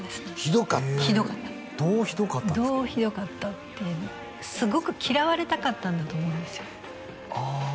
どうひどかったってすごく嫌われたかったんだと思うんですよああ